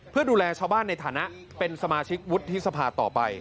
เพื่อดูแลชาวบ้านในฐานะเป็นสมาชิกวุฒิสภาต่อไป